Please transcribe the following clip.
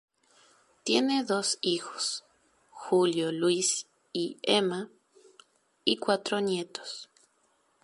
Tiene dos hijos, Julio Luis y Emma, y cuatro nietos.